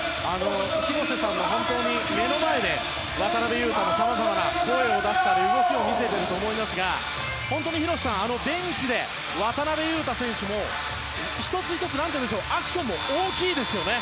広瀬さんの目の前で渡邊雄太がさまざまな声を出したり動きを見せていると思いますが本当に広瀬さんベンチで渡邊雄太選手も１つ１つアクションが大きいですよね。